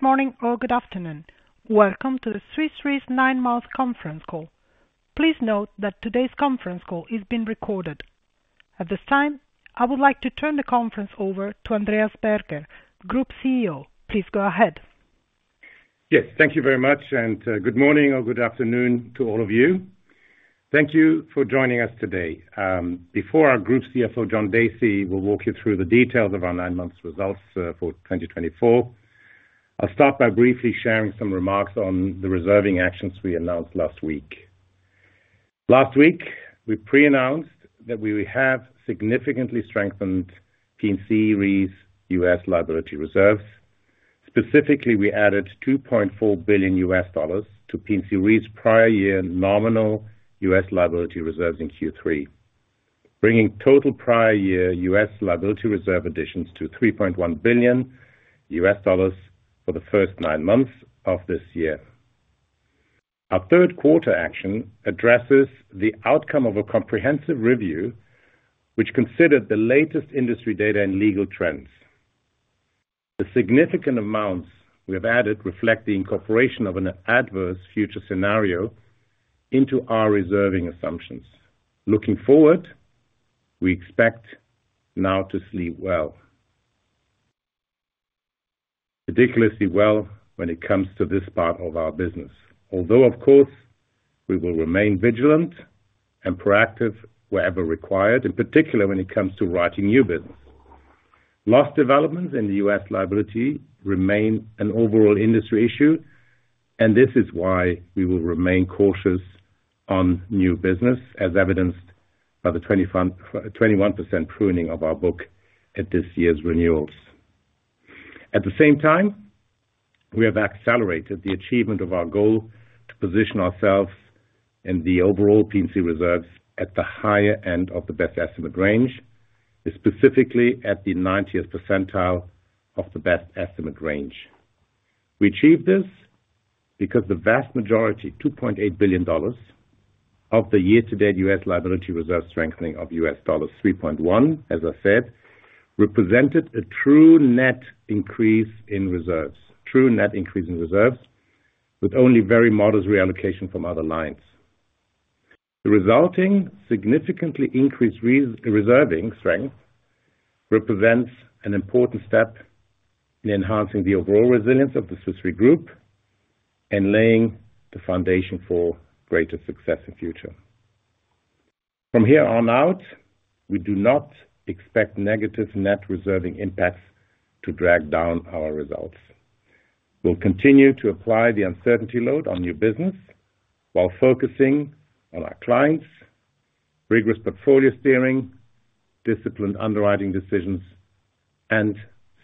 Good morning or good afternoon. Welcome to the Swiss Re's Nine-Month Conference Call. Please note that today's conference call is being recorded. At this time, I would like to turn the conference over to Andreas Berger, Group CEO. Please go ahead. Yes, thank you very much, and good morning or good afternoon to all of you. Thank you for joining us today. Before our Group CFO, John Dacey, will walk you through the details of our nine-month results for 2024, I'll start by briefly sharing some remarks on the reserving actions we announced last week. Last week, we pre-announced that we have significantly strengthened P&C Re's US liability reserves. Specifically, we added $2.4 billion to P&C Re's prior-year nominal US liability reserves in Q3, bringing total prior-year US liability reserve additions to $3.1 billion for the first nine months of this year. Our third quarter action addresses the outcome of a comprehensive review which considered the latest industry data and legal trends. The significant amounts we have added reflect the incorporation of an adverse future scenario into our reserving assumptions. Looking forward, we expect now to sleep well, ridiculously well when it comes to this part of our business, although, of course, we will remain vigilant and proactive wherever required, in particular when it comes to writing new business. Loss developments in the U.S. liability remain an overall industry issue, and this is why we will remain cautious on new business, as evidenced by the 21% pruning of our book at this year's renewals. At the same time, we have accelerated the achievement of our goal to position ourselves in the overall P&C reserves at the higher end of the best estimate range, specifically at the 90th percentile of the best estimate range. We achieved this because the vast majority, $2.8 billion, of the year-to-date US liability reserve strengthening of $3.1 billion, as I said, represented a true net increase in reserves, true net increase in reserves, with only very modest reallocation from other lines. The resulting significantly increased reserving strength represents an important step in enhancing the overall resilience of the Swiss Re Group and laying the foundation for greater success in the future. From here on out, we do not expect negative net reserving impacts to drag down our results. We'll continue to apply the uncertainty load on new business while focusing on our clients, rigorous portfolio steering, disciplined underwriting decisions, and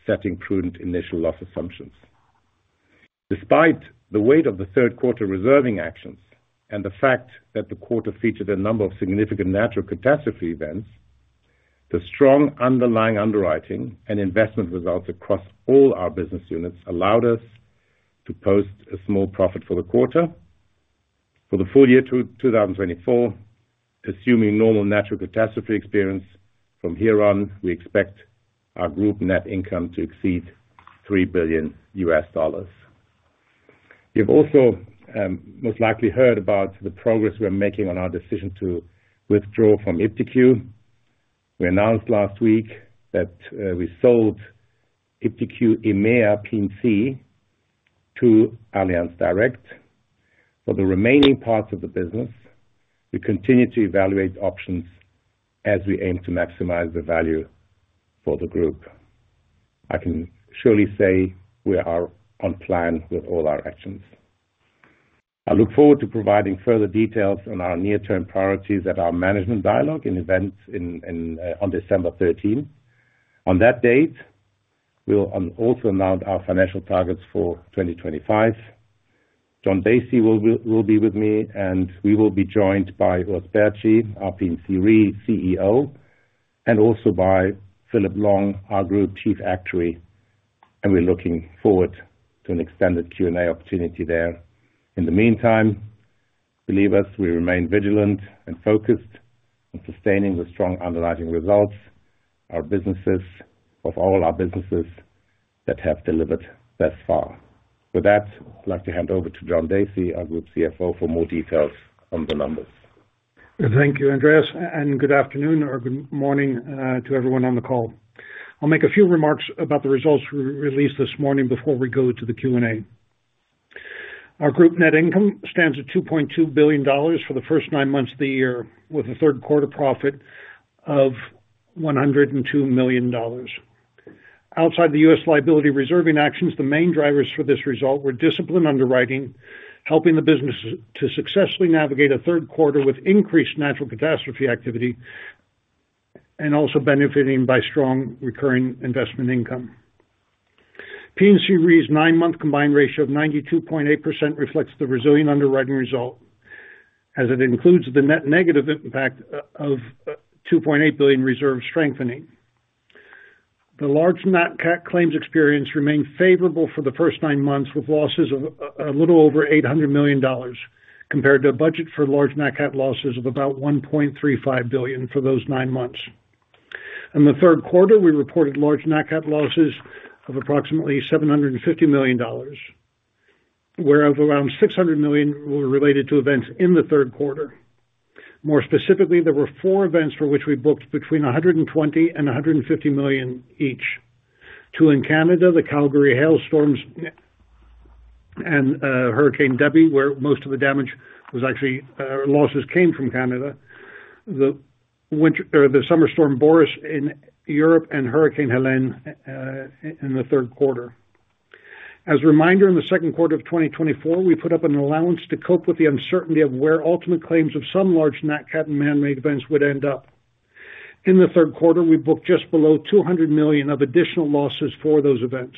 setting prudent initial loss assumptions. Despite the weight of the third quarter reserving actions and the fact that the quarter featured a number of significant natural catastrophe events, the strong underlying underwriting and investment results across all our business units allowed us to post a small profit for the quarter. For the full year to 2024, assuming normal natural catastrophe experience, from here on, we expect our group net income to exceed $3 billion. You've also most likely heard about the progress we're making on our decision to withdraw from iptiQ. We announced last week that we sold iptiQ EMEA P&C to Allianz Direct. For the remaining parts of the business, we continue to evaluate options as we aim to maximize the value for the group. I can surely say we are on plan with all our actions. I look forward to providing further details on our near-term priorities at our management dialogue in events on December 13. On that date, we'll also announce our financial targets for 2025. John Dacey will be with me, and we will be joined by Urs Baertschi, our P&C Re CEO, and also by Philip Long, our Group Chief Actuary. And we're looking forward to an extended Q&A opportunity there. In the meantime, believe us, we remain vigilant and focused on sustaining the strong underwriting results of all our businesses that have delivered thus far. With that, I'd like to hand over to John Dacey, our Group CFO, for more details on the numbers. Thank you, Andreas, and good afternoon or good morning to everyone on the call. I'll make a few remarks about the results we released this morning before we go to the Q&A. Our group net income stands at $2.2 billion for the first nine months of the year, with a third quarter profit of $102 million. Outside the U.S. liability reserving actions, the main drivers for this result were disciplined underwriting, helping the business to successfully navigate a third quarter with increased natural catastrophe activity and also benefiting by strong recurring investment income. P&C Re's nine-month combined ratio of 92.8% reflects the resilient underwriting result, as it includes the net negative impact of $2.8 billion reserve strengthening. The large NatCat claims experience remained favorable for the first nine months, with losses of a little over $800 million compared to a budget for large NatCat losses of about $1.35 billion for those nine months. In the third quarter, we reported large NatCat losses of approximately $750 million, whereof around $600 million were related to events in the third quarter. More specifically, there were four events for which we booked between $120 million-$150 million each: two in Canada, the Calgary hailstorms and Hurricane Debby, where most of the damage was actually losses came from Canada. The winter or the summer storm Boris in Europe. And Hurricane Helene in the third quarter. As a reminder, in the second quarter of 2024, we put up an allowance to cope with the uncertainty of where ultimate claims of some large NatCat and manmade events would end up. In the third quarter, we booked just below $200 million of additional losses for those events.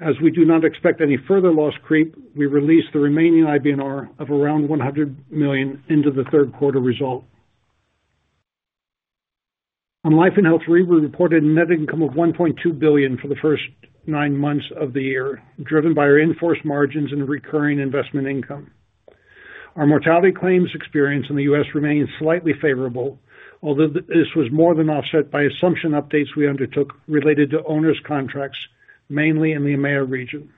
As we do not expect any further loss creep, we released the remaining IBNR of around $100 million into the third quarter result. On life and health, we reported net income of $1.2 billion for the first nine months of the year, driven by our earned margins and recurring investment income. Our mortality claims experience in the U.S. remained slightly favorable, although this was more than offset by assumption updates we undertook related to onerous contracts, mainly in the EMEA region.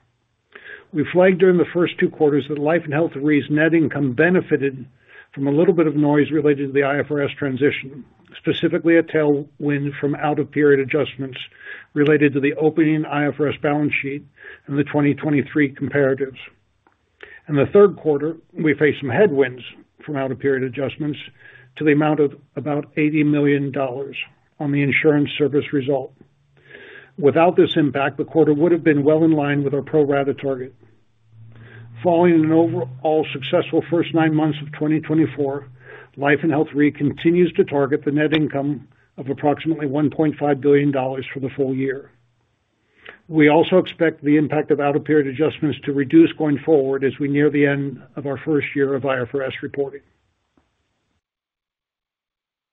We flagged during the first two quarters that life and health Re's net income benefited from a little bit of noise related to the IFRS transition, specifically a tailwind from out-of-period adjustments related to the opening IFRS balance sheet and the 2023 comparatives. In the third quarter, we faced some headwinds from out-of-period adjustments to the amount of about $80 million on the insurance service result. Without this impact, the quarter would have been well in line with our pro-rata target. Following an overall successful first nine months of 2024, Life and Health Re continues to target the net income of approximately $1.5 billion for the full year. We also expect the impact of out-of-period adjustments to reduce going forward as we near the end of our first year of IFRS reporting.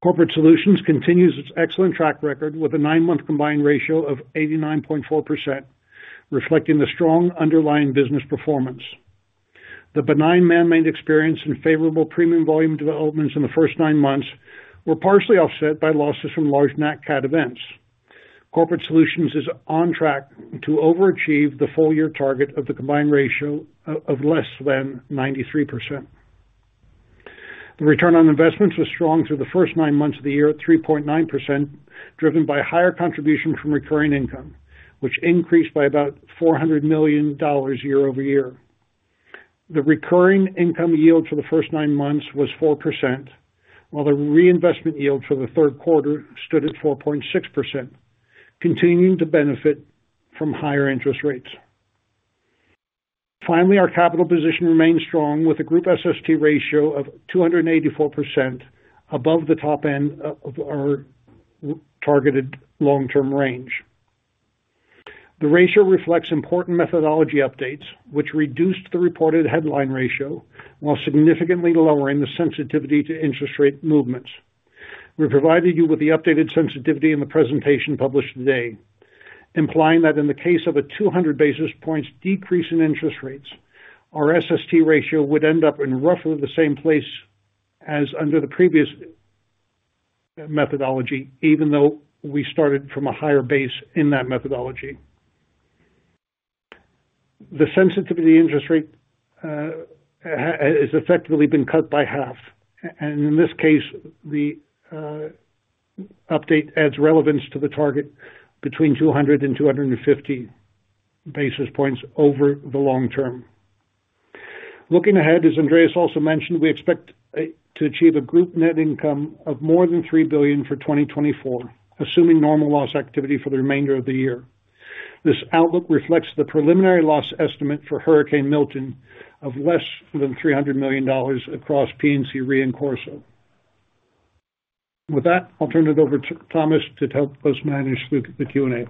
Corporate Solutions continues its excellent track record with a nine-month combined ratio of 89.4%, reflecting the strong underlying business performance. The benign manmade experience and favorable premium volume developments in the first nine months were partially offset by losses from large NatCat events. Corporate Solutions is on track to overachieve the full-year target of the combined ratio of less than 93%. The return on investments was strong through the first nine months of the year at 3.9%, driven by higher contribution from recurring income, which increased by about $400 million year-over-year. The recurring income yield for the first nine months was 4%, while the reinvestment yield for the third quarter stood at 4.6%, continuing to benefit from higher interest rates. Finally, our capital position remained strong with a group SST ratio of 284%, above the top end of our targeted long-term range. The ratio reflects important methodology updates, which reduced the reported headline ratio while significantly lowering the sensitivity to interest rate movements. We provided you with the updated sensitivity in the presentation published today, implying that in the case of a 200 basis points decrease in interest rates, our SST ratio would end up in roughly the same place as under the previous methodology, even though we started from a higher base in that methodology. The sensitivity interest rate has effectively been cut by half. And in this case, the update adds relevance to the target between 200 and 250 basis points over the long term. Looking ahead, as Andreas also mentioned, we expect to achieve a group net income of more than $3 billion for 2024, assuming normal loss activity for the remainder of the year. This outlook reflects the preliminary loss estimate for Hurricane Milton of less than $300 million across P&C Re and Corso. With that, I'll turn it over to Thomas to help us manage the Q&A.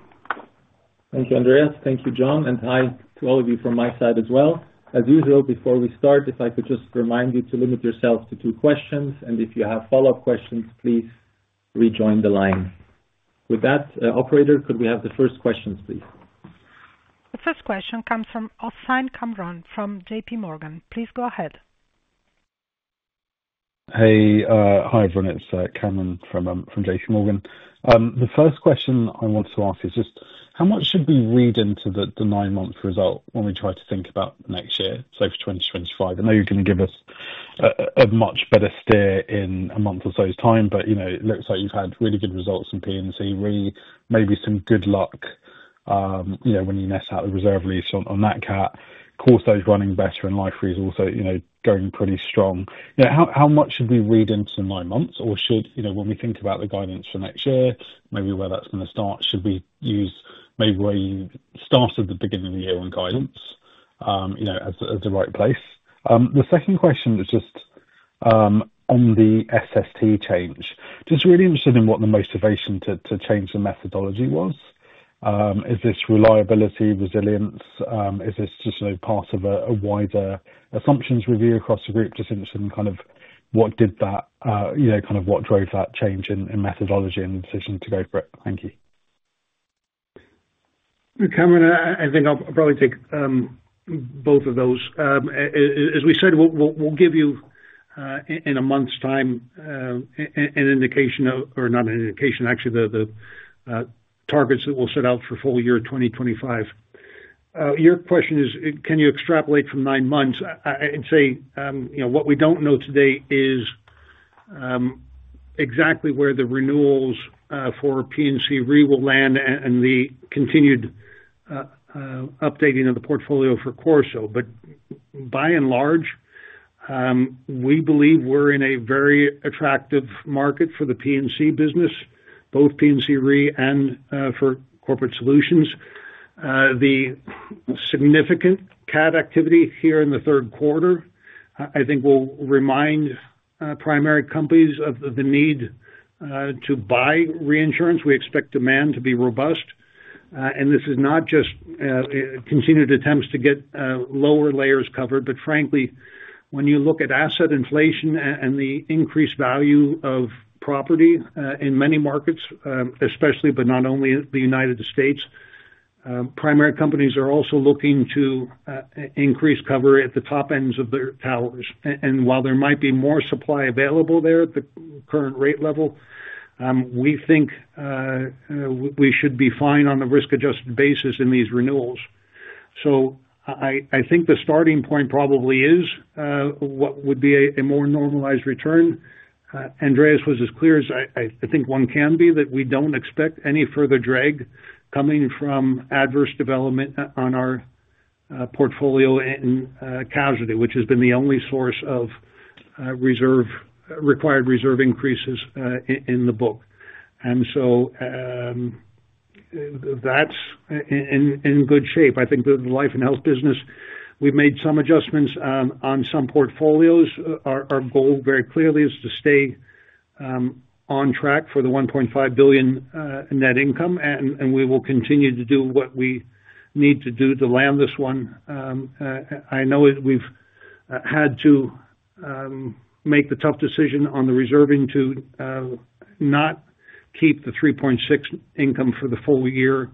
Thank you, Andreas. Thank you, John. And hi to all of you from my side as well. As usual, before we start, if I could just remind you to limit yourself to two questions. And if you have follow-up questions, please rejoin the line. With that, operator, could we have the first questions, please? The first question comes from Hossain Kamran from JPMorgan. Please go ahead. Hey, hi, everyone. It's Kamran from JPMorgan. The first question I want to ask is just how much should we read into the nine-month result when we try to think about next year, say, for 2025? I know you're going to give us a much better steer in a month or so's time, but it looks like you've had really good results in P&C Re. Maybe some good luck when you net out the reserve release on NatCat. Corso's running better, and Life Re is also going pretty strong. How much should we read into the nine months? Or should, when we think about the guidance for next year, maybe where that's going to start, should we use maybe where you started the beginning of the year on guidance as the right place? The second question is just on the SST change. Just really interested in what the motivation to change the methodology was. Is this reliability, resilience? Is this just part of a wider assumptions review across the group? Just interested in kind of what drove that change in methodology and decision to go for it? Thank you. Cameron, I think I'll probably take both of those. As we said, we'll give you in a month's time an indication or not an indication, actually, the targets that we'll set out for full year 2025. Your question is, can you extrapolate from nine months? I'd say what we don't know today is exactly where the renewals for P&C Re will land and the continued updating of the portfolio for Corso. But by and large, we believe we're in a very attractive market for the P&C business, both P&C Re and for Corporate Solutions. The significant cat activity here in the third quarter, I think, will remind primary companies of the need to buy reinsurance. We expect demand to be robust, and this is not just continued attempts to get lower layers covered. But frankly, when you look at asset inflation and the increased value of property in many markets, especially, but not only the United States, primary companies are also looking to increase cover at the top ends of their towers. And while there might be more supply available there at the current rate level, we think we should be fine on a risk-adjusted basis in these renewals. So I think the starting point probably is what would be a more normalized return. Andreas was as clear as I think one can be that we don't expect any further drag coming from adverse development on our portfolio in casualty, which has been the only source of required reserve increases in the book. And so that's in good shape. I think the life and health business, we've made some adjustments on some portfolios. Our goal very clearly is to stay on track for the $1.5 billion net income, and we will continue to do what we need to do to land this one. I know we've had to make the tough decision on the reserving to not keep the $3.6 billion income for the full year,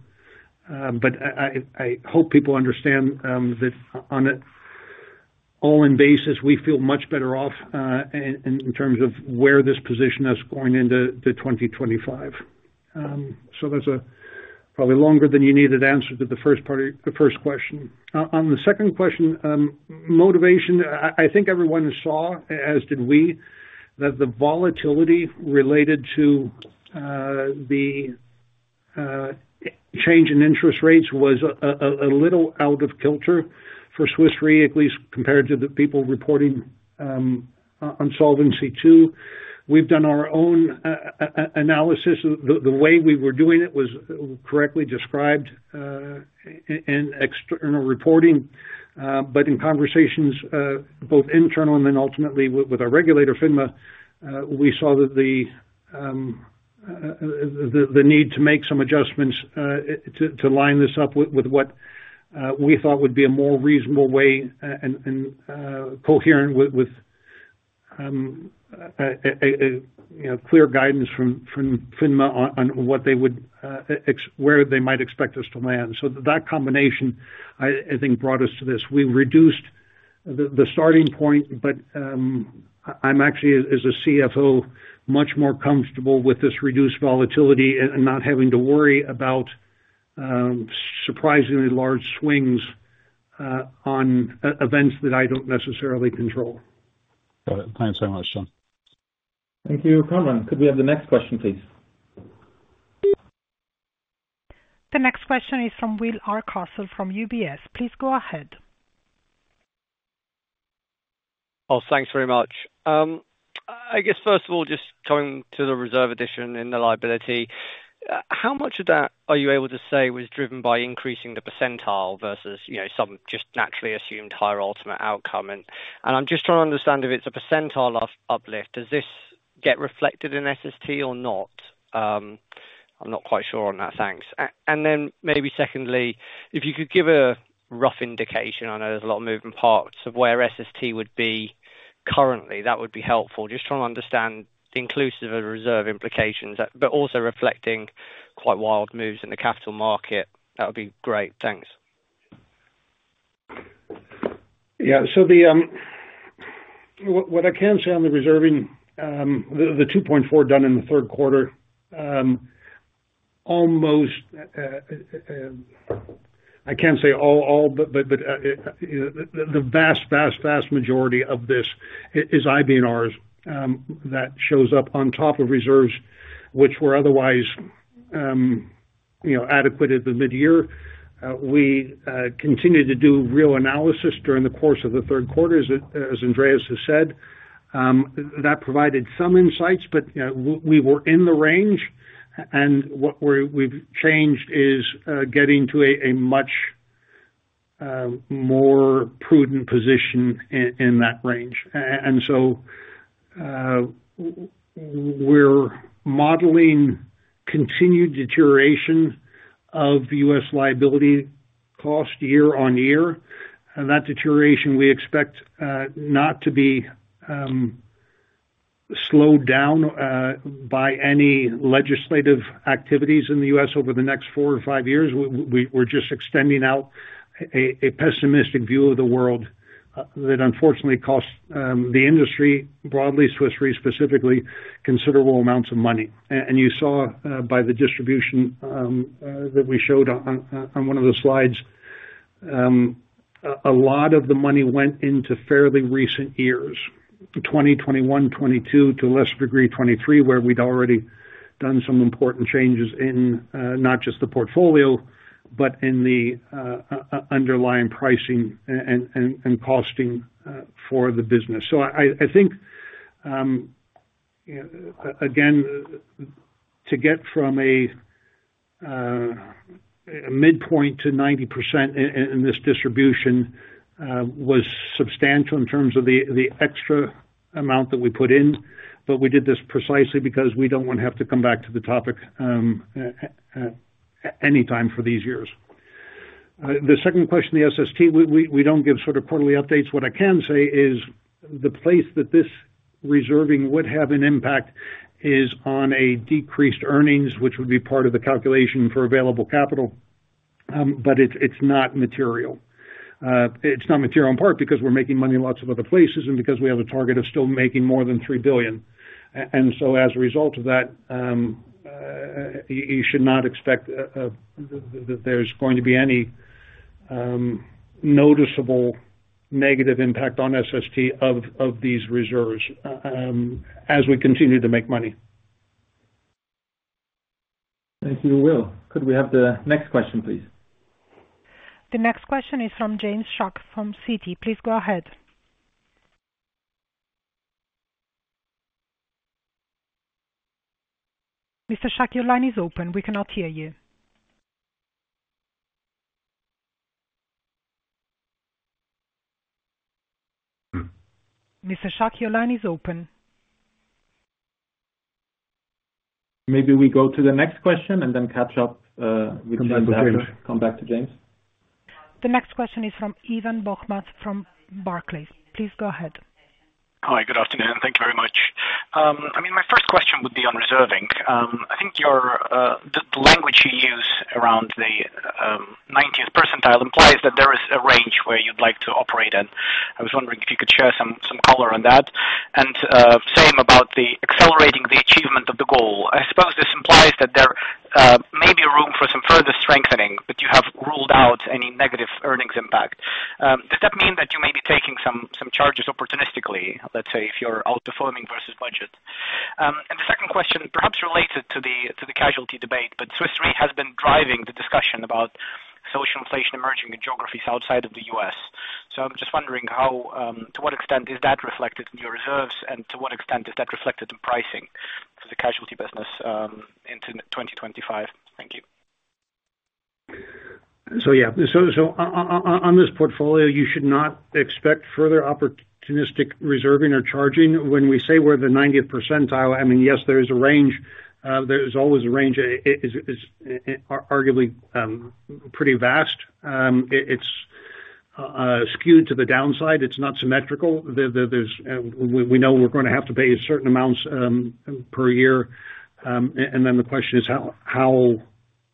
but I hope people understand that on an all-in basis, we feel much better off in terms of where this position is going into 2025, so that's a probably longer than you needed answer to the first question. On the second question, motivation, I think everyone saw, as did we, that the volatility related to the change in interest rates was a little out of kilter for Swiss Re, at least compared to the people reporting on Solvency II. We've done our own analysis. The way we were doing it was correctly described in external reporting. But in conversations, both internal and then ultimately with our regulator, FINMA, we saw the need to make some adjustments to line this up with what we thought would be a more reasonable way and coherent with clear guidance from FINMA on where they might expect us to land, so that combination, I think, brought us to this. We reduced the starting point, but I'm actually, as a CFO, much more comfortable with this reduced volatility and not having to worry about surprisingly large swings on events that I don't necessarily control. Got it. Thanks very much, John. Thank you, Cameron. Could we have the next question, please? The next question is from Will Hardcastle from UBS. Please go ahead. Oh, thanks very much. I guess, first of all, just coming to the reserve addition and the liability, how much of that are you able to say was driven by increasing the percentile versus some just naturally assumed higher ultimate outcome? And I'm just trying to understand if it's a percentile uplift. Does this get reflected in SST or not? I'm not quite sure on that. Thanks. And then maybe secondly, if you could give a rough indication, I know there's a lot of moving parts of where SST would be currently. That would be helpful. Just trying to understand inclusive of reserve implications, but also reflecting quite wild moves in the capital market. That would be great. Thanks. Yeah. So what I can say on the reserving, the 2.4 done in the third quarter, almost I can't say all, but the vast, vast, vast majority of this is IBNRs that shows up on top of reserves, which were otherwise adequate at the mid-year. We continued to do real analysis during the course of the third quarter, as Andreas has said. That provided some insights, but we were in the range, and what we've changed is getting to a much more prudent position in that range, and so we're modeling continued deterioration of U.S. liability cost year on year. That deterioration, we expect not to be slowed down by any legislative activities in the U.S. over the next four or five years. We're just extending out a pessimistic view of the world that unfortunately costs the industry, broadly Swiss Re specifically, considerable amounts of money. You saw by the distribution that we showed on one of the slides, a lot of the money went into fairly recent years, 2021, 2022, to a lesser degree 2023, where we'd already done some important changes in not just the portfolio, but in the underlying pricing and costing for the business. I think, again, to get from a midpoint to 90% in this distribution was substantial in terms of the extra amount that we put in. We did this precisely because we don't want to have to come back to the topic anytime for these years. The second question, the SST, we don't give sort of quarterly updates. What I can say is the place that this reserving would have an impact is on a decreased earnings, which would be part of the calculation for available capital. But it's not material. It's not material in part because we're making money in lots of other places and because we have a target of still making more than $3 billion, and so as a result of that, you should not expect that there's going to be any noticeable negative impact on SST of these reserves as we continue to make money. Thank you, Will. Could we have the next question, please? The next question is from James Shuck from Citi. Please go ahead. Mr. Shuck, your line is open. We cannot hear you. Mr. Shuck, your line is open. Maybe we go to the next question and then catch up with James. Come back to James. The next question is from Ivan Bokhmat from Barclays. Please go ahead. Hi, good afternoon. Thank you very much. I mean, my first question would be on reserving. I think the language you use around the 90th percentile implies that there is a range where you'd like to operate in. I was wondering if you could share some color on that. And same about the accelerating the achievement of the goal. I suppose this implies that there may be room for some further strengthening, but you have ruled out any negative earnings impact. Does that mean that you may be taking some charges opportunistically, let's say, if you're outperforming versus budget? And the second question, perhaps related to the casualty debate, but Swiss Re has been driving the discussion about social inflation emerging in geographies outside of the U.S. I'm just wondering to what extent is that reflected in your reserves and to what extent is that reflected in pricing for the casualty business into 2025? Thank you. So yeah, so on this portfolio, you should not expect further opportunistic reserving or charging. When we say we're the 90th percentile, I mean, yes, there is a range. There's always a range. It's arguably pretty vast. It's skewed to the downside. It's not symmetrical. We know we're going to have to pay certain amounts per year, and then the question is how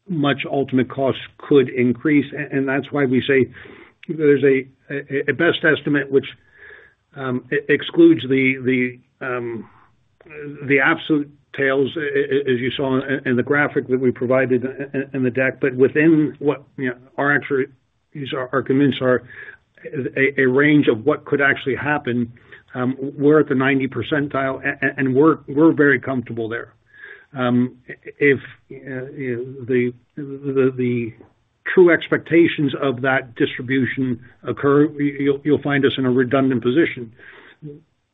much ultimate cost could increase, and that's why we say there's a best estimate, which excludes the absolute tails, as you saw in the graphic that we provided in the deck, but within what our expertise convinced are a range of what could actually happen, we're at the 90th percentile, and we're very comfortable there. If the true expectations of that distribution occur, you'll find us in a redundant position.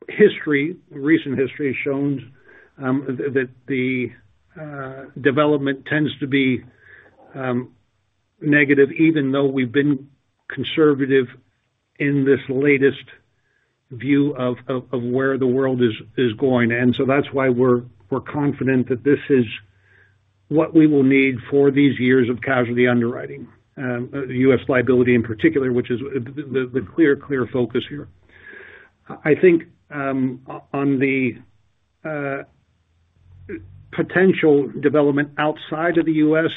History, recent history has shown that the development tends to be negative, even though we've been conservative in this latest view of where the world is going, and so that's why we're confident that this is what we will need for these years of casualty underwriting, U.S. liability in particular, which is the clear, clear focus here. I think on the potential development outside of the U.S.,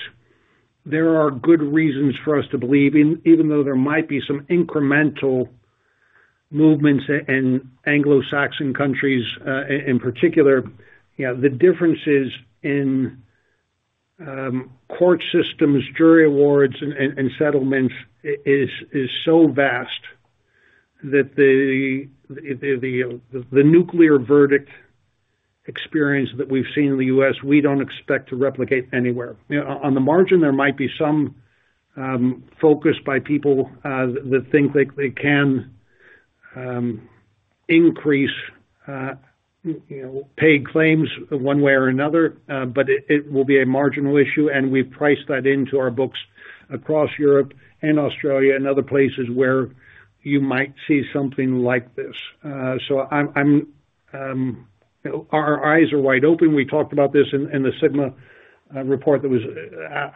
there are good reasons for us to believe, even though there might be some incremental movements in Anglo-Saxon countries in particular, the differences in court systems, jury awards, and settlements is so vast that the nuclear verdict experience that we've seen in the U.S., we don't expect to replicate anywhere. On the margin, there might be some focus by people that think they can increase paid claims one way or another, but it will be a marginal issue. And we've priced that into our books across Europe and Australia and other places where you might see something like this. So our eyes are wide open. We talked about this in the Sigma report that was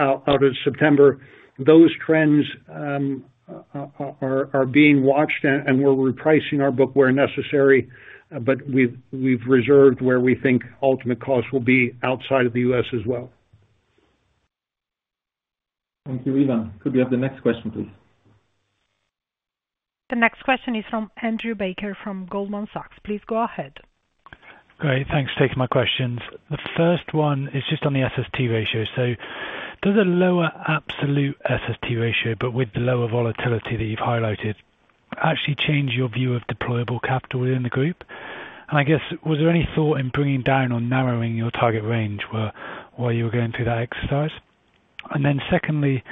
out in September. Those trends are being watched, and we're repricing our book where necessary, but we've reserved where we think ultimate cost will be outside of the U.S. as well. Thank you, Evan. Could we have the next question, please? The next question is from Andrew Baker from Goldman Sachs. Please go ahead. Great. Thanks for taking my questions. The first one is just on the SST ratio. So does a lower absolute SST ratio, but with the lower volatility that you've highlighted, actually change your view of deployable capital within the group? And I guess, was there any thought in bringing down or narrowing your target range while you were going through that exercise? And then secondly,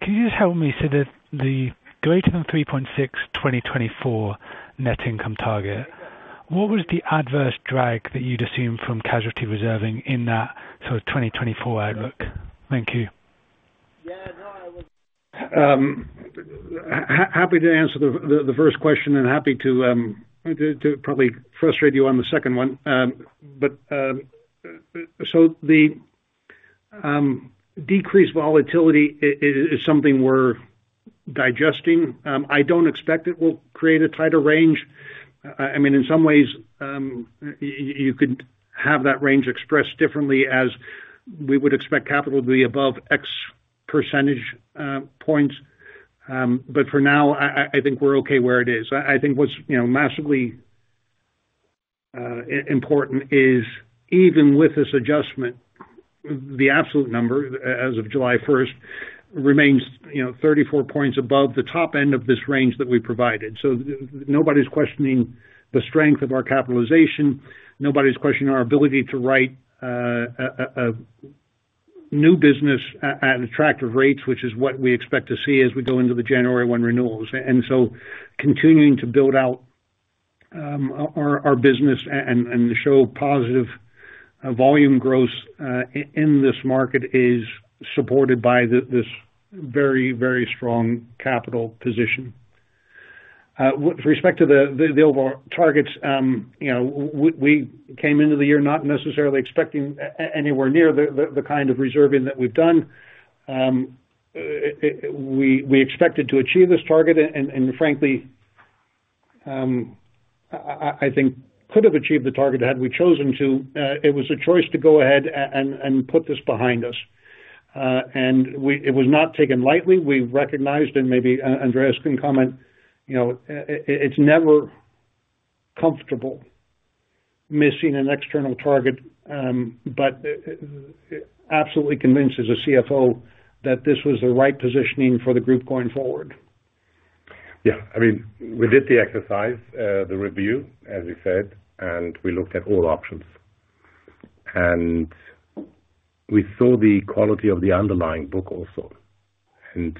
can you just help me see the greater than $3.6 2024 net income target? What was the adverse drag that you'd assume from casualty reserving in that sort of 2024 outlook? Thank you. Yeah. No, I was happy to answer the first question and happy to probably frustrate you on the second one. But so the decreased volatility is something we're digesting. I don't expect it will create a tighter range. I mean, in some ways, you could have that range expressed differently as we would expect capital to be above X percentage points. But for now, I think we're okay where it is. I think what's massively important is even with this adjustment, the absolute number as of July 1st remains 34 points above the top end of this range that we provided. So nobody's questioning the strength of our capitalization. Nobody's questioning our ability to write new business at attractive rates, which is what we expect to see as we go into the January 1 renewals. Continuing to build out our business and show positive volume growth in this market is supported by this very, very strong capital position. With respect to the overall targets, we came into the year not necessarily expecting anywhere near the kind of reserving that we've done. We expected to achieve this target, and frankly, I think could have achieved the target had we chosen to. It was a choice to go ahead and put this behind us. And it was not taken lightly. We recognized, and maybe Andreas can comment, it's never comfortable missing an external target, but absolutely convinced as a CFO that this was the right positioning for the group going forward. Yeah. I mean, we did the exercise, the review, as you said, and we looked at all options. And we saw the quality of the underlying book also. And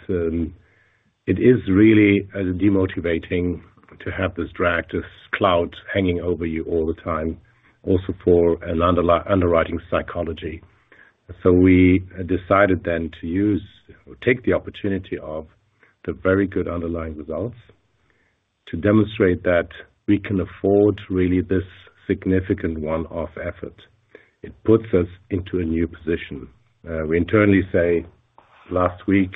it is really demotivating to have this drag, this cloud hanging over you all the time, also for an underwriting psychology. So we decided then to take the opportunity of the very good underlying results to demonstrate that we can afford really this significant one-off effort. It puts us into a new position. We internally say last week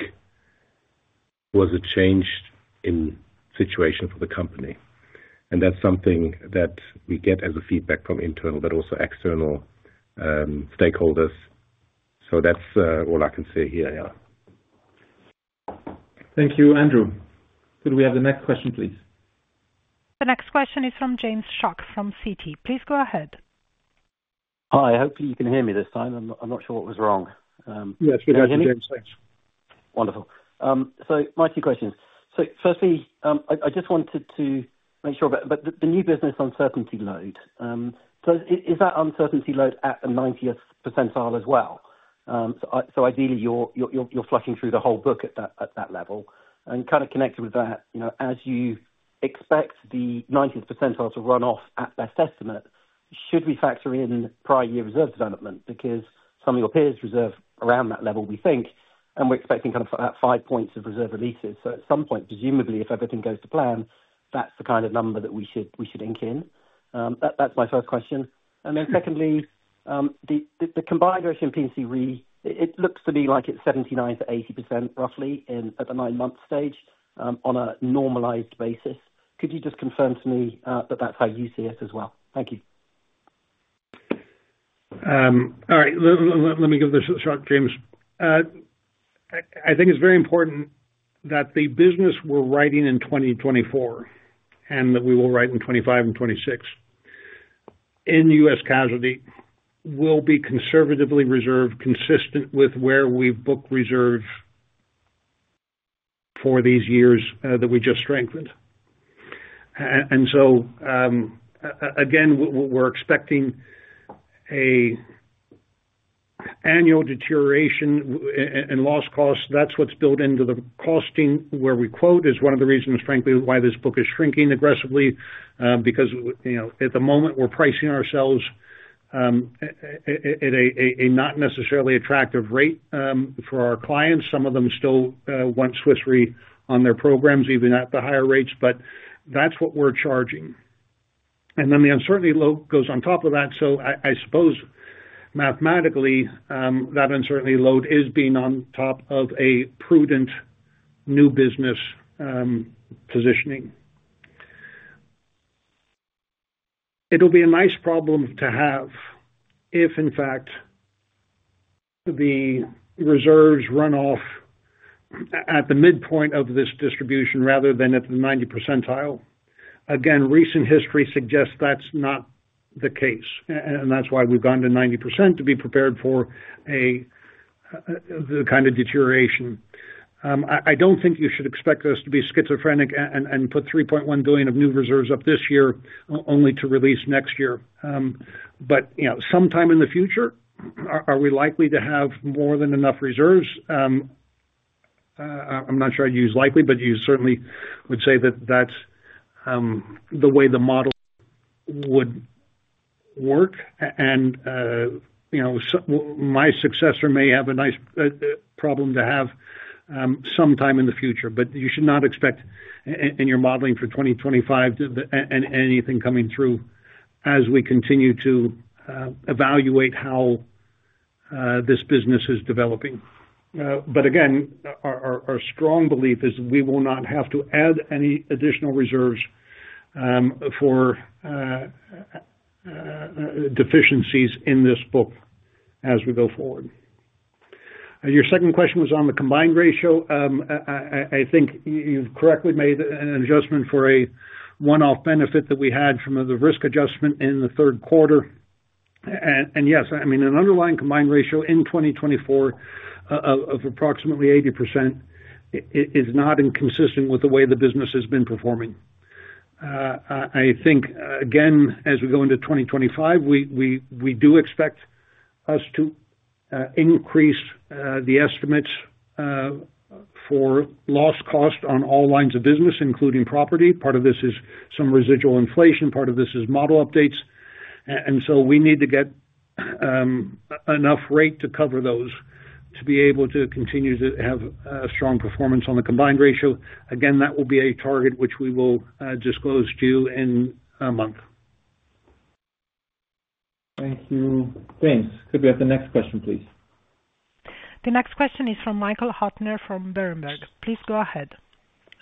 was a change in situation for the company. And that's something that we get as a feedback from internal, but also external stakeholders. So that's all I can say here. Yeah. Thank you, Andrew. Could we have the next question, please? The next question is from James Shuck from Citi. Please go ahead. Hi. Hopefully, you can hear me this time. I'm not sure what was wrong. Yeah. It's good. How are you, James? Wonderful. So my two questions. So firstly, I just wanted to make sure about the new business uncertainty load. So is that uncertainty load at the 90th percentile as well? So ideally, you're flushing through the whole book at that level. And kind of connected with that, as you expect the 90th percentile to run off at best estimate, should we factor in prior year reserve development? Because some of your peers reserve around that level, we think, and we're expecting kind of five points of reserve releases. So at some point, presumably, if everything goes to plan, that's the kind of number that we should ink in. That's my first question. And then secondly, the combined ratio and P&C, it looks to me like it's 79%-80% roughly at the nine-month stage on a normalized basis. Could you just confirm to me that that's how you see it as well? Thank you. All right. Let me give this a shot, James. I think it's very important that the business we're writing in 2024 and that we will write in 2025 and 2026 in US Casualty will be conservatively reserved, consistent with where we've booked reserve for these years that we just strengthened. And so again, we're expecting an annual deterioration in loss costs. That's what's built into the costing where we quote is one of the reasons, frankly, why this book is shrinking aggressively, because at the moment, we're pricing ourselves at a not necessarily attractive rate for our clients. Some of them still want Swiss Re on their programs, even at the higher rates, but that's what we're charging. And then the uncertainty load goes on top of that. So I suppose mathematically, that uncertainty load is being on top of a prudent new business positioning. It'll be a nice problem to have if, in fact, the reserves run off at the midpoint of this distribution rather than at the 90th percentile. Again, recent history suggests that's not the case, and that's why we've gone to 90% to be prepared for the kind of deterioration. I don't think you should expect us to be schizophrenic and put $3.1 billion of new reserves up this year only to release next year. But sometime in the future, are we likely to have more than enough reserves? I'm not sure I'd use likely, but you certainly would say that that's the way the model would work. And my successor may have a nice problem to have sometime in the future, but you should not expect in your modeling for 2025 and anything coming through as we continue to evaluate how this business is developing. But again, our strong belief is we will not have to add any additional reserves for deficiencies in this book as we go forward. Your second question was on the combined ratio. I think you've correctly made an adjustment for a one-off benefit that we had from the risk adjustment in the third quarter. And yes, I mean, an underlying combined ratio in 2024 of approximately 80% is not inconsistent with the way the business has been performing. I think, again, as we go into 2025, we do expect us to increase the estimates for loss cost on all lines of business, including property. Part of this is some residual inflation. Part of this is model updates. And so we need to get enough rate to cover those to be able to continue to have strong performance on the combined ratio. Again, that will be a target which we will disclose to you in a month. Thank you. Thanks. Could we have the next question, please? The next question is from Michael Huttner from Berenberg. Please go ahead.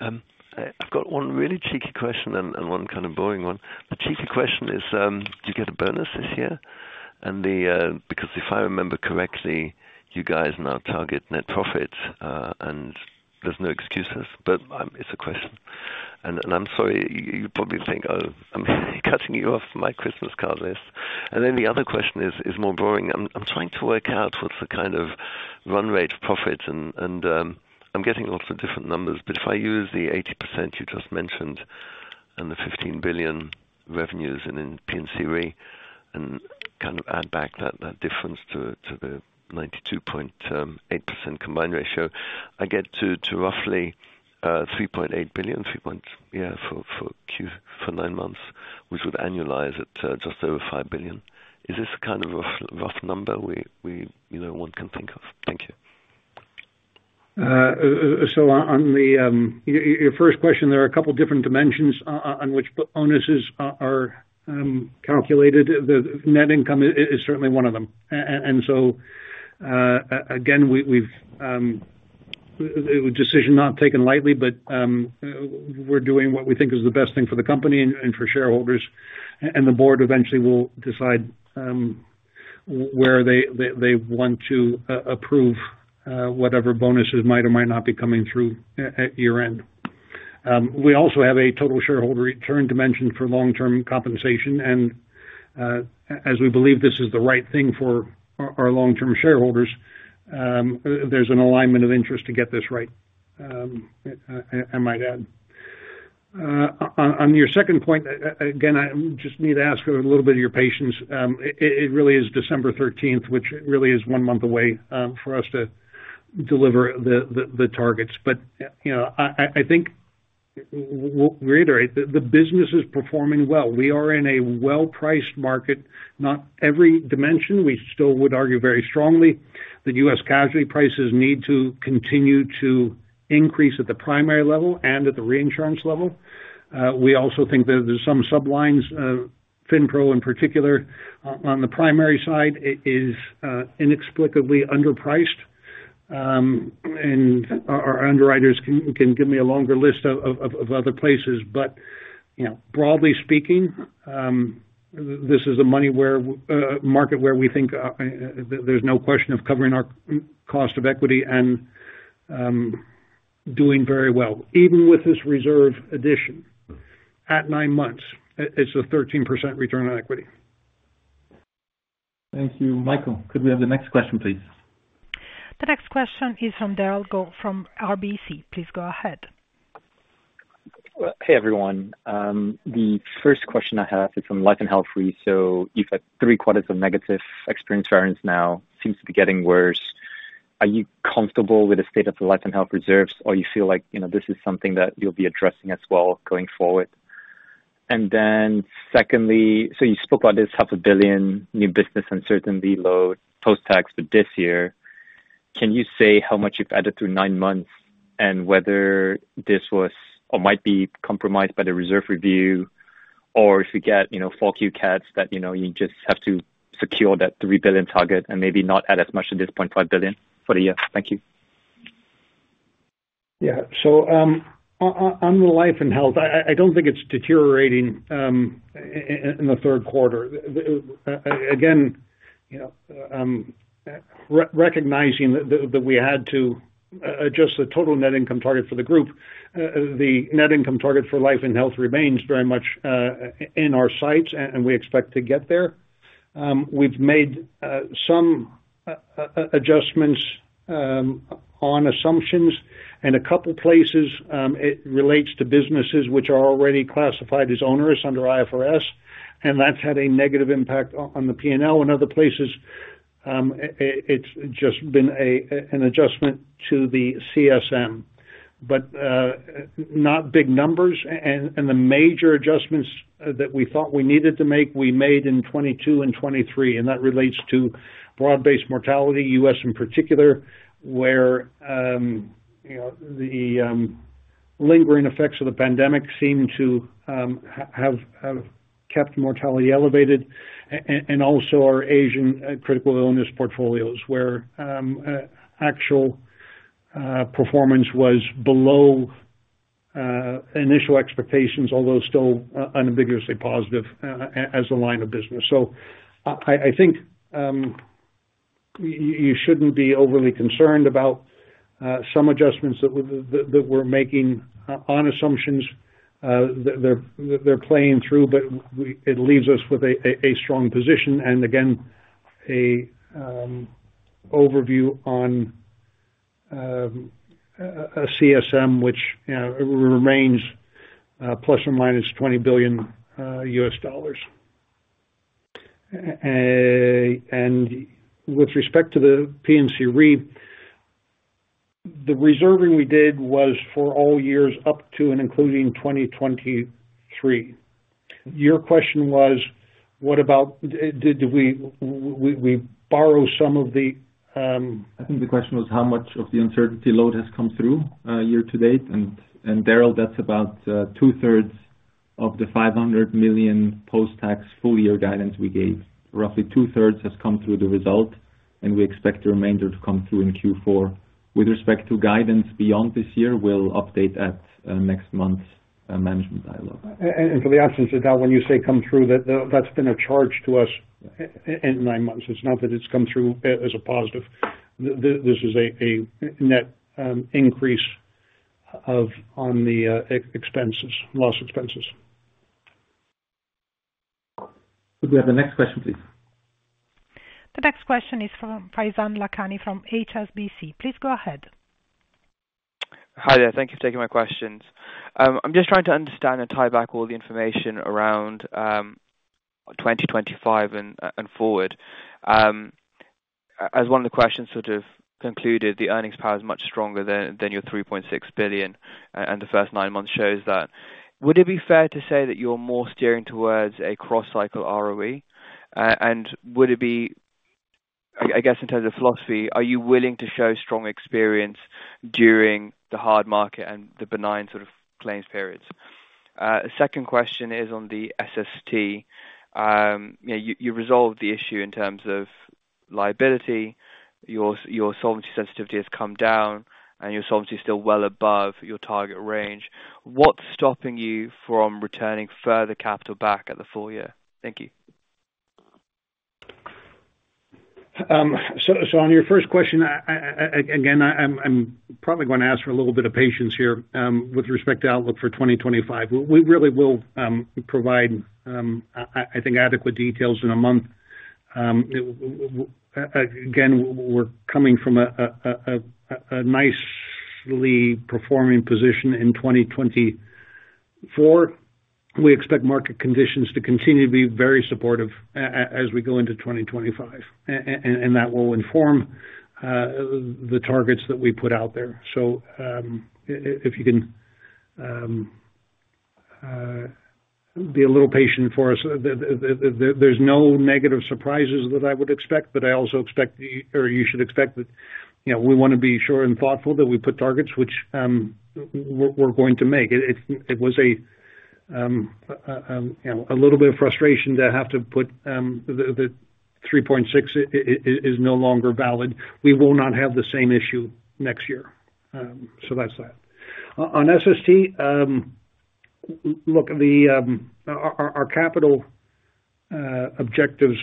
I've got one really cheeky question and one kind of boring one. The cheeky question is, do you get a bonus this year? Because if I remember correctly, you guys now target net profit, and there's no excuses, but it's a question, and I'm sorry, you probably think I'm cutting you off my Christmas card list, and then the other question is more boring. I'm trying to work out what's the kind of run rate of profits, and I'm getting lots of different numbers. But if I use the 80% you just mentioned and the $15 billion revenues in P&C Re and kind of add back that difference to the 92.8% combined ratio, I get to roughly $3.8 billion, $3.8 billion for nine months, which would annualize at just over $5 billion. Is this the kind of rough number one can think of? Thank you. So on your first question, there are a couple of different dimensions on which bonuses are calculated. The net income is certainly one of them. And so again, it was a decision not taken lightly, but we're doing what we think is the best thing for the company and for shareholders. And the board eventually will decide where they want to approve whatever bonuses might or might not be coming through at year-end. We also have a total shareholder return dimension for long-term compensation. And as we believe this is the right thing for our long-term shareholders, there's an alignment of interest to get this right, I might add. On your second point, again, I just need to ask a little bit of your patience. It really is December 13th, which really is one month away for us to deliver the targets. But I think we reiterate that the business is performing well. We are in a well-priced market. Not every dimension. We still would argue very strongly that U.S. casualty prices need to continue to increase at the primary level and at the reinsurance level. We also think that there's some sublines, FINPRO in particular, on the primary side is inexplicably underpriced. And our underwriters can give me a longer list of other places. But broadly speaking, this is a market where we think there's no question of covering our cost of equity and doing very well. Even with this reserve addition at nine months, it's a 13% return on equity. Thank you. Michael, could we have the next question, please? The next question is from Ben Cohen from RBC. Please go ahead. Hey, everyone. The first question I have is from Life and Health Re: So you've had three quarters of negative experience variance now. Seems to be getting worse. Are you comfortable with the state of the Life and Health reserves, or do you feel like this is something that you'll be addressing as well going forward? And then secondly, so you spoke about this $0.5 billion new business uncertainty load post-tax for this year. Can you say how much you've added through nine months and whether this was or might be compromised by the reserve review, or if you get favorable cats that you just have to secure that $3 billion target and maybe not add as much as this $0.5 billion for the year? Thank you. Yeah. So on the Life and Health, I don't think it's deteriorating in the third quarter. Again, recognizing that we had to adjust the total net income target for the group, the net income target for Life and Health remains very much in our sights, and we expect to get there. We've made some adjustments on assumptions in a couple of places. It relates to businesses which are already classified as onerous under IFRS, and that's had a negative impact on the P&L. In other places, it's just been an adjustment to the CSM, but not big numbers. And the major adjustments that we thought we needed to make, we made in 2022 and 2023. And that relates to broad-based mortality, U.S. in particular, where the lingering effects of the pandemic seem to have kept mortality elevated. Also our Asian critical illness portfolios where actual performance was below initial expectations, although still unambiguously positive as a line of business. So I think you shouldn't be overly concerned about some adjustments that we're making on assumptions. They're playing through, but it leaves us with a strong position and, again, an overview on a CSM, which remains ±$20 billion. With respect to the P&C Re, the reserving we did was for all years up to and including 2023. Your question was, what about did we borrow some of the. I think the question was how much of the uncertainty load has come through year to date, and Darius, that's about two-thirds of the $500 million post-tax full-year guidance we gave. Roughly two-thirds has come through the result, and we expect the remainder to come through in Q4. With respect to guidance beyond this year, we'll update that next month's management dialogue. For the absence of that, when you say come through, that's been a charge to us in nine months. It's not that it's come through as a positive. This is a net increase on the expenses, loss expenses. Could we have the next question, please? The next question is from Faizan Lakhani from HSBC. Please go ahead. Hi, thank you for taking my questions. I'm just trying to understand and tie back all the information around 2025 and forward. As one of the questions sort of concluded, the earnings power is much stronger than your $3.6 billion, and the first nine months shows that. Would it be fair to say that you're more steering towards a cross-cycle ROE? And would it be, I guess, in terms of philosophy, are you willing to show strong experience during the hard market and the benign sort of claims periods? Second question is on the SST. You resolved the issue in terms of liability. Your solvency sensitivity has come down, and your solvency is still well above your target range. What's stopping you from returning further capital back at the full year? Thank you. So on your first question, again, I'm probably going to ask for a little bit of patience here with respect to outlook for 2025. We really will provide, I think, adequate details in a month. Again, we're coming from a nicely performing position in 2024. We expect market conditions to continue to be very supportive as we go into 2025, and that will inform the targets that we put out there. So if you can be a little patient for us, there's no negative surprises that I would expect, but I also expect or you should expect that we want to be sure and thoughtful that we put targets which we're going to make. It was a little bit of frustration to have to put the 3.6 is no longer valid. We will not have the same issue next year. So that's that. On SST, look, our capital objectives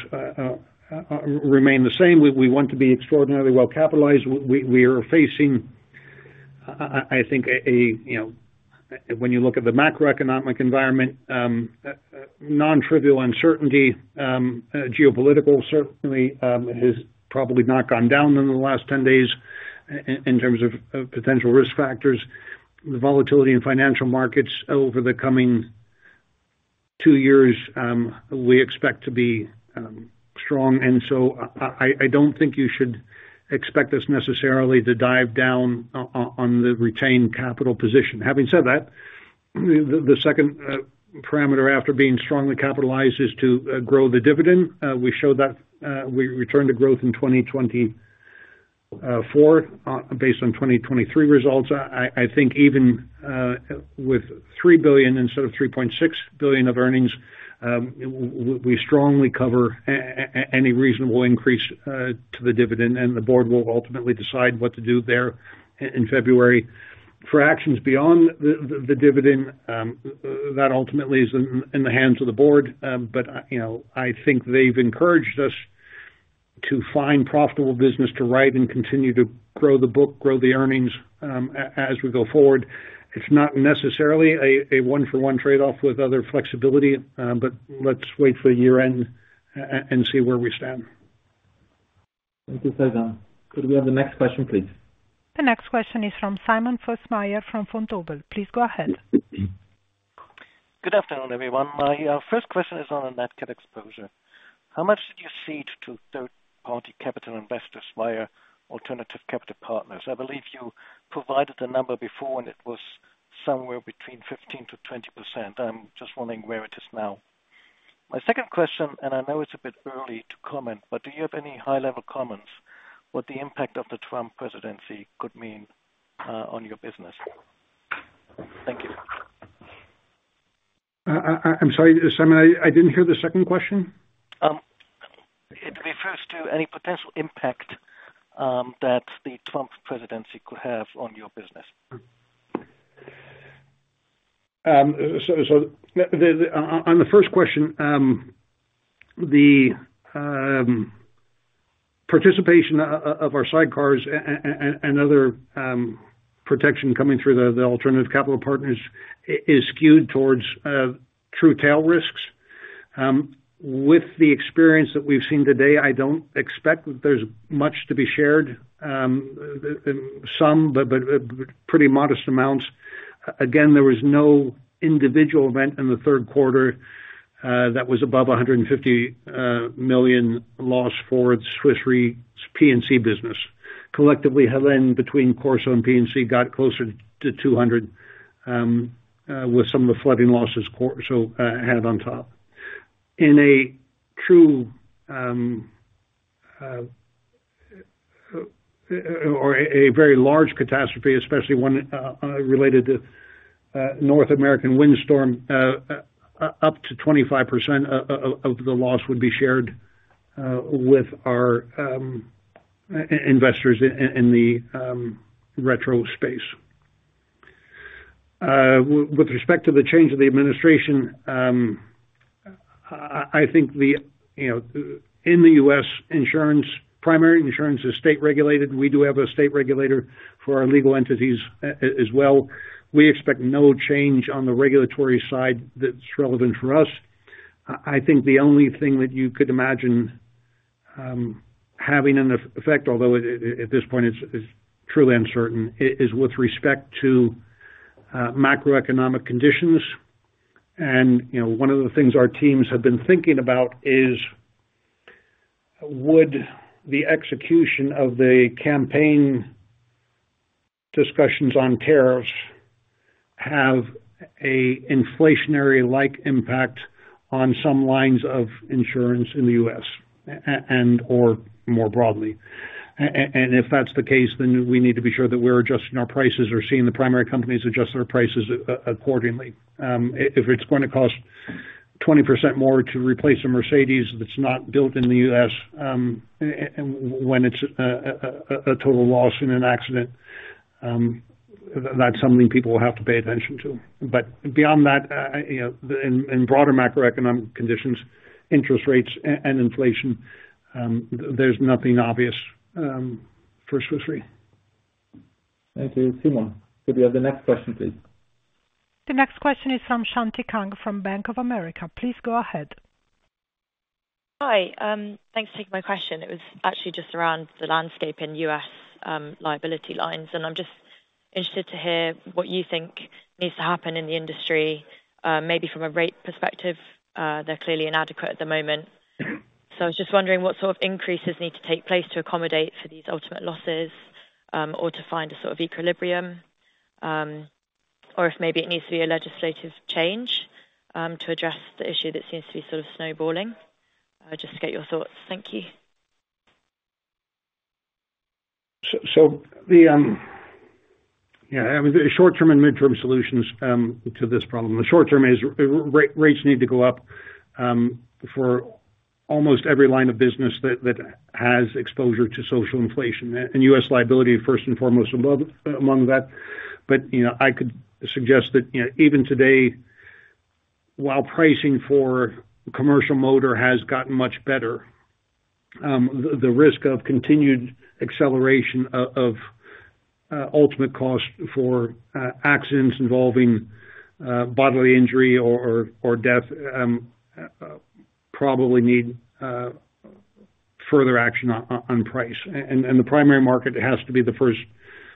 remain the same. We want to be extraordinarily well capitalized. We are facing, I think, when you look at the macroeconomic environment, non-trivial uncertainty. Geopolitical, certainly, has probably not gone down in the last 10 days in terms of potential risk factors. The volatility in financial markets over the coming two years, we expect to be strong. And so I don't think you should expect us necessarily to dive down on the retained capital position. Having said that, the second parameter after being strongly capitalized is to grow the dividend. We showed that we returned to growth in 2024 based on 2023 results. I think even with $3 billion instead of $3.6 billion of earnings, we strongly cover any reasonable increase to the dividend, and the board will ultimately decide what to do there in February. For actions beyond the dividend, that ultimately is in the hands of the board. But I think they've encouraged us to find profitable business to write and continue to grow the book, grow the earnings as we go forward. It's not necessarily a one-for-one trade-off with other flexibility, but let's wait for year-end and see where we stand. Thank you, Faizan. Could we have the next question, please? The next question is from Simon Fössmeier from Vontobel. Please go ahead. Good afternoon, everyone. My first question is on a net cat exposure. How much did you cede to third-party capital investors via alternative capital partners? I believe you provided the number before, and it was somewhere between 15%-20%. I'm just wondering where it is now. My second question, and I know it's a bit early to comment, but do you have any high-level comments on what the impact of the Trump presidency could mean on your business? Thank you. I'm sorry, Simon. I didn't hear the second question. It refers to any potential impact that the Trump presidency could have on your business. On the first question, the participation of our sidecars and other protection coming through the alternative capital partners is skewed towards true tail risks. With the experience that we've seen today, I don't expect that there's much to be shared, some, but pretty modest amounts. Again, there was no individual event in the third quarter that was above $150 million loss for Swiss Re's P&C business. Collectively, Helene between Corso and P&C got closer to $200 million with some of the flooding losses so had on top. In a true or a very large catastrophe, especially one related to North American windstorm, up to 25% of the loss would be shared with our investors in the retro space. With respect to the change of the administration, I think in the U.S., primary insurance is state regulated. We do have a state regulator for our legal entities as well. We expect no change on the regulatory side that's relevant for us. I think the only thing that you could imagine having an effect, although at this point it's truly uncertain, is with respect to macroeconomic conditions, and one of the things our teams have been thinking about is, would the execution of the campaign discussions on tariffs have an inflationary-like impact on some lines of insurance in the U.S. and/or more broadly? And if that's the case, then we need to be sure that we're adjusting our prices or seeing the primary companies adjust their prices accordingly. If it's going to cost 20% more to replace a Mercedes that's not built in the U.S. when it's a total loss in an accident, that's something people will have to pay attention to, but beyond that, in broader macroeconomic conditions, interest rates and inflation, there's nothing obvious for Swiss Re. Thank you. Simon, could we have the next question, please? The next question is from Shanti Kang from Bank of America. Please go ahead. Hi. Thanks for taking my question. It was actually just around the landscape in U.S. liability lines, and I'm just interested to hear what you think needs to happen in the industry, maybe from a rate perspective. They're clearly inadequate at the moment. So I was just wondering what sort of increases need to take place to accommodate for these ultimate losses or to find a sort of equilibrium, or if maybe it needs to be a legislative change to address the issue that seems to be sort of snowballing. Just to get your thoughts. Thank you. Yeah, short-term and mid-term solutions to this problem. The short-term is rates need to go up for almost every line of business that has exposure to social inflation. U.S. liability, first and foremost, among that. I could suggest that even today, while pricing for commercial motor has gotten much better, the risk of continued acceleration of ultimate cost for accidents involving bodily injury or death probably need further action on price. The primary market has to be the first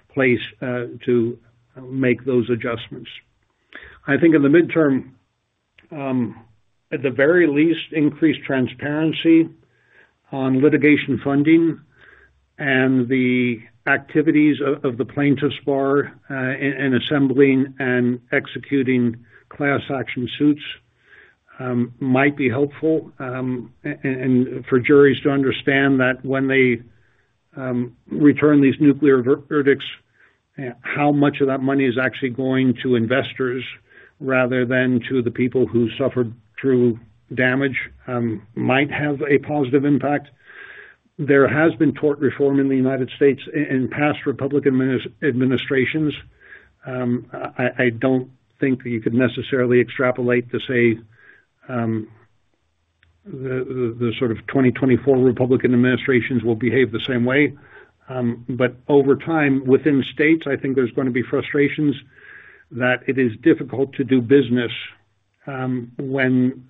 place to make those adjustments. I think in the midterm, at the very least, increased transparency on litigation funding and the activities of the Plaintiff's Bar in assembling and executing class action suits might be helpful for juries to understand that when they return these Nuclear Verdicts, how much of that money is actually going to investors rather than to the people who suffered true damage might have a positive impact. There has been Tort Reform in the United States in past Republican administrations. I don't think you could necessarily extrapolate to say the sort of 2024 Republican administrations will behave the same way. But over time, within states, I think there's going to be frustrations that it is difficult to do business when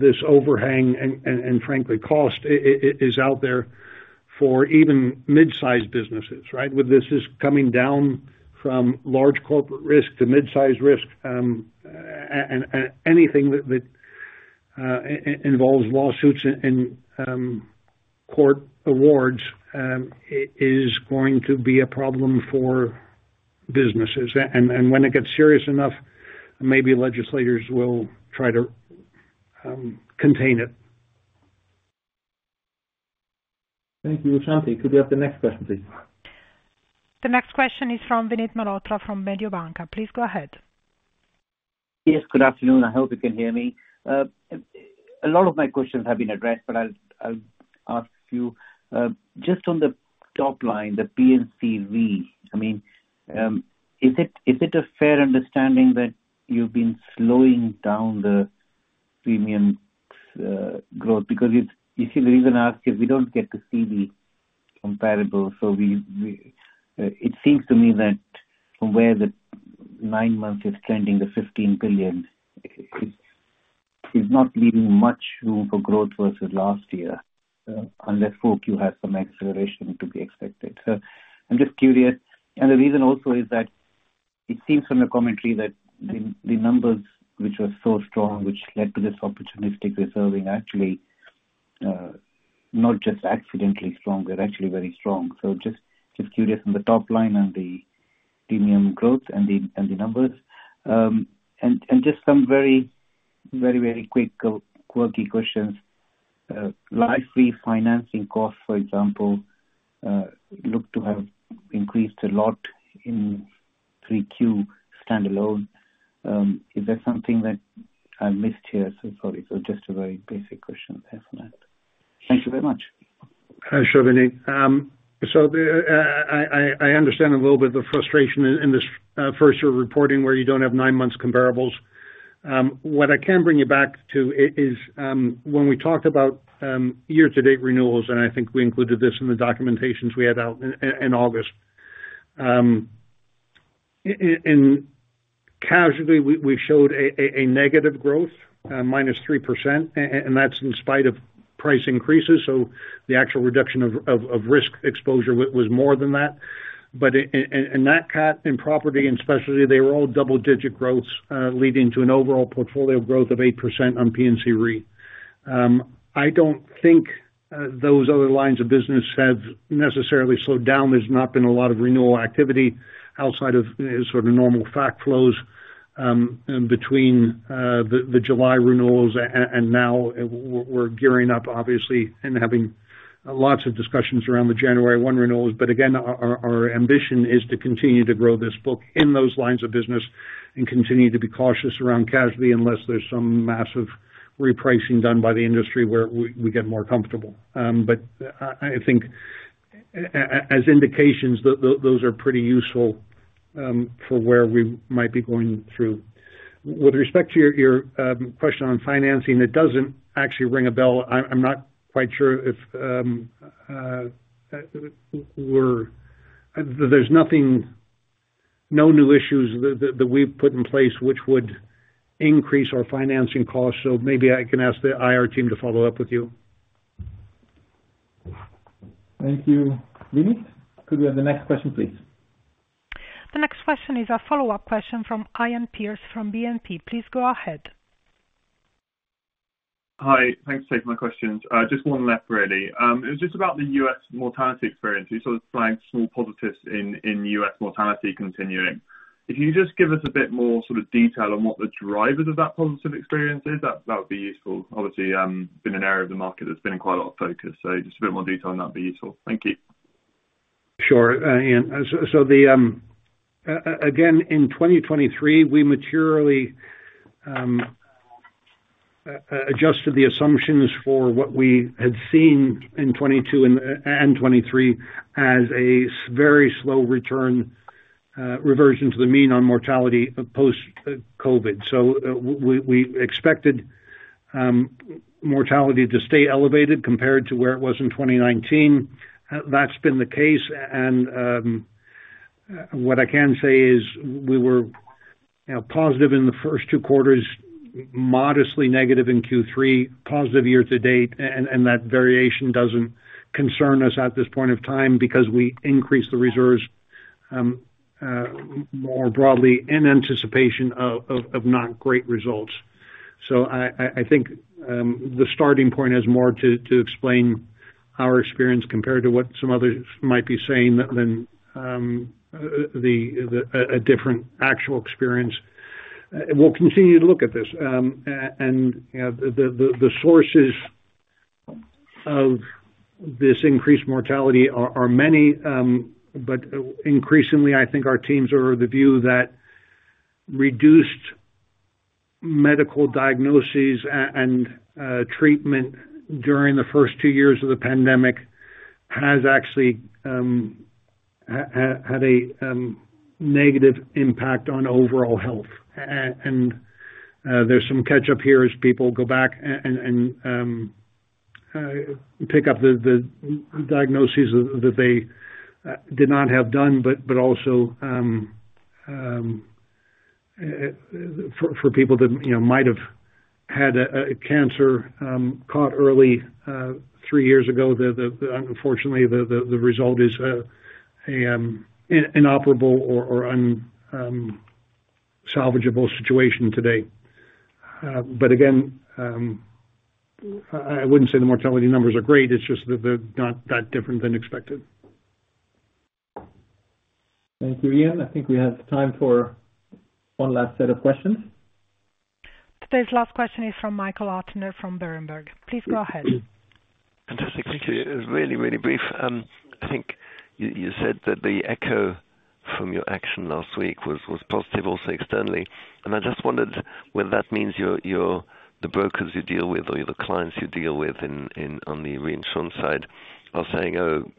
this overhang and, frankly, cost is out there for even mid-sized businesses, right? This is coming down from large corporate risk to mid-sized risk. Anything that involves lawsuits and court awards is going to be a problem for businesses. When it gets serious enough, maybe legislators will try to contain it. Thank you. Shanti, could we have the next question, please? The next question is from Vinit Malhotra from Mediobanca. Please go ahead. Yes, good afternoon. I hope you can hear me. A lot of my questions have been addressed, but I'll ask a few. Just on the top line, the P&C Re, I mean, is it a fair understanding that you've been slowing down the premium growth? Because you see, the reason I ask is we don't get to see the comparable, so it seems to me that from where the nine months is trending, the $15 billion is not leaving much room for growth versus last year, unless 4Q has some acceleration to be expected. So I'm just curious, and the reason also is that it seems from the commentary that the numbers, which were so strong, which led to this opportunistic reserving, actually not just accidentally strong, they're actually very strong, so just curious on the top line and the premium growth and the numbers. Just some very, very, very quick quirky questions. Life Re financing costs, for example, look to have increased a lot in 3Q standalone. Is that something that I missed here? So sorry. So just a very basic question there. Thank you very much. Sure, Vinit. So I understand a little bit of the frustration in this first-year reporting where you don't have nine months comparables. What I can bring you back to is when we talked about year-to-date renewals, and I think we included this in the documentations we had out in August. And casually, we showed a negative growth, -3%, and that's in spite of price increases. So the actual reduction of risk exposure was more than that. But in that cut in property and specialty, they were all double-digit growths, leading to an overall portfolio growth of 8% on P&C Re. I don't think those other lines of business have necessarily slowed down. There's not been a lot of renewal activity outside of sort of normal fac flows between the July renewals and now we're gearing up, obviously, and having lots of discussions around the January 1 renewals. But again, our ambition is to continue to grow this book in those lines of business and continue to be cautious around casualty unless there's some massive repricing done by the industry where we get more comfortable. But I think as indications, those are pretty useful for where we might be going through. With respect to your question on financing, it doesn't actually ring a bell. I'm not quite sure if there's no new issues that we've put in place which would increase our financing costs. So maybe I can ask the IR team to follow up with you. Thank you. Vinit, could we have the next question, please? The next question is a follow-up question from Iain Pearce from BNP. Please go ahead. Hi. Thanks for taking my questions. Just one left, really. It was just about the U.S. mortality experience. You sort of flagged small positives in U.S. mortality continuing. If you could just give us a bit more sort of detail on what the drivers of that positive experience is, that would be useful. Obviously, it's been an area of the market that's been in quite a lot of focus. So just a bit more detail on that would be useful. Thank you. Sure. So again, in 2023, we materially adjusted the assumptions for what we had seen in 2022 and 2023 as a very slow return reversion to the mean on mortality post-COVID, so we expected mortality to stay elevated compared to where it was in 2019. That's been the case, and what I can say is we were positive in the first two quarters, modestly negative in Q3, positive year-to-date, and that variation doesn't concern us at this point of time because we increased the reserves more broadly in anticipation of not great results. So I think the starting point has more to explain our experience compared to what some others might be saying than a different actual experience. We'll continue to look at this, and the sources of this increased mortality are many. But increasingly, I think our teams are of the view that reduced medical diagnoses and treatment during the first two years of the pandemic has actually had a negative impact on overall health. And there's some catch-up here as people go back and pick up the diagnoses that they did not have done, but also for people that might have had cancer caught early three years ago, unfortunately, the result is an inoperable or unsalvageable situation today. But again, I wouldn't say the mortality numbers are great. It's just that they're not that different than expected. Thank you, Iain. I think we have time for one last set of questions. Today's last question is from Michael Huttner from Berenberg. Please go ahead. Fantastic. Thank you. It was really, really brief. I think you said that the echo from your action last week was positive also externally. And I just wondered whether that means the brokers you deal with or the clients you deal with on the reinsurance side are saying, "Oh,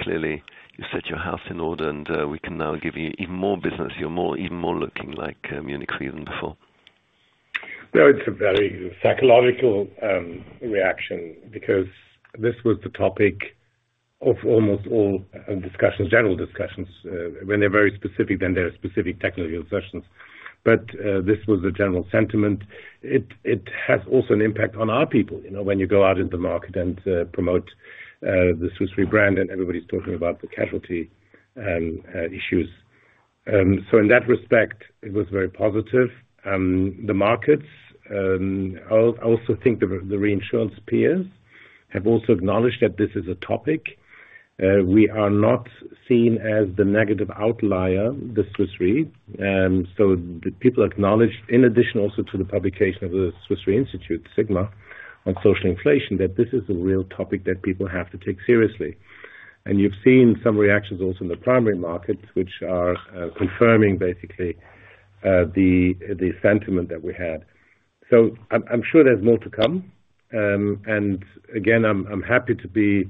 clearly you've set your house in order and we can now give you even more business. You're even more looking like Munich Re even before. No, it's a very psychological reaction because this was the topic of almost all discussions, general discussions. When they're very specific, then there are specific technical discussions. But this was the general sentiment. It has also an impact on our people. When you go out into the market and promote the Swiss Re brand and everybody's talking about the casualty issues. So in that respect, it was very positive. The markets, I also think the reinsurance peers have also acknowledged that this is a topic. We are not seen as the negative outlier, the Swiss Re. So people acknowledged, in addition also to the publication of the Swiss Re Institute, SIGMA, on social inflation, that this is a real topic that people have to take seriously. You've seen some reactions also in the primary markets, which are confirming basically the sentiment that we had. So I'm sure there's more to come. And again, I'm happy to be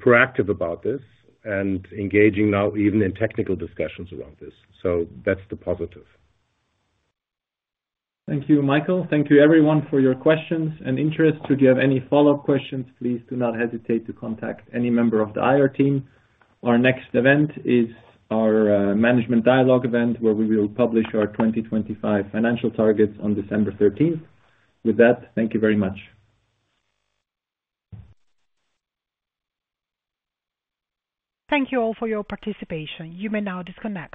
proactive about this and engaging now even in technical discussions around this. So that's the positive. Thank you, Michael. Thank you, everyone, for your questions and interest. Should you have any follow-up questions, please do not hesitate to contact any member of the IR team. Our next event is our management dialogue event where we will publish our 2025 financial targets on December 13th. With that, thank you very much. Thank you all for your participation. You may now disconnect.